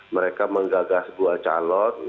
mereka menggagas dua calon